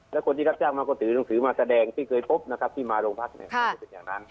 แล้วคนที่รับจ้างมาก็ถือหนังสือมาแสดงที่เคยพบนะครับที่มาโรงพักเนี่ยไม่ได้เป็นอย่างนั้น